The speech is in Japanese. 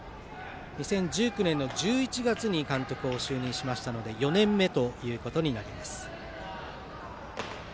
２０１９年の１１月に監督に就任しましたので４年目ということになります。